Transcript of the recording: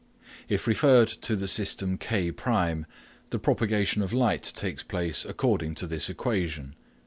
If referred to the system K1, the propagation of light takes place according to this equation.